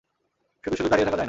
শুধু-শুধু দাঁড়িয়ে থাকা যায় না।